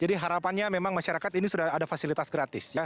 jadi harapannya memang masyarakat ini sudah ada fasilitas gratis ya